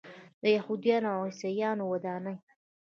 د یهودانو او عیسویانو ودانۍ.